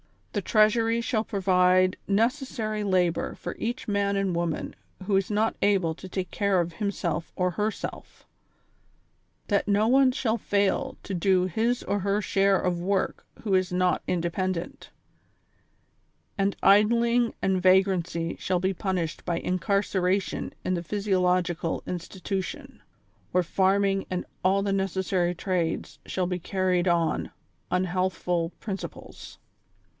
The treasury shall provide necessary labor for each man and woman who is not al ile to take care of himself or herself ; that no one shall fail to do his or her share of work who is not independent ; and idling and vagrancy shall be punished by incarceration in the physiological institution, where farming and all the necessary trades shall be carried on on healthful prin ciples.